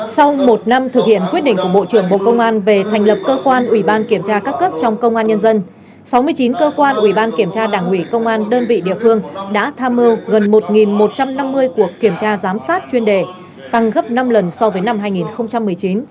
sau một năm thực hiện quyết định của bộ trưởng bộ công an về thành lập cơ quan ủy ban kiểm tra các cấp trong công an nhân dân sáu mươi chín cơ quan ủy ban kiểm tra đảng ủy công an đơn vị địa phương đã tham mưu gần một một trăm năm mươi cuộc kiểm tra giám sát chuyên đề tăng gấp năm lần so với năm hai nghìn một mươi chín